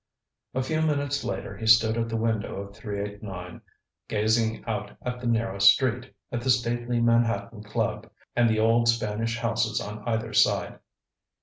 A few minutes later he stood at the window of 389, gazing out at the narrow street, at the stately Manhattan Club, and the old Spanish houses on either side.